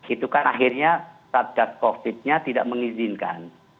itu kan akhirnya saat saat covid nya tidak mengizinkan